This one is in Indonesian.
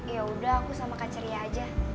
yaudah aku sama kak ceria aja